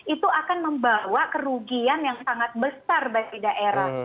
itu akan membawa kerugian yang sangat besar bagi daerah